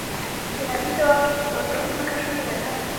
د نبی دعا کې د اردن ځمکه شامله ده.